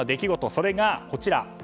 それがこちら。